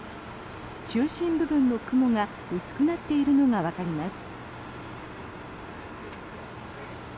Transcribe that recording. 中心部分の雲が薄くなっているのがわかります。